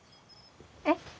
えっ？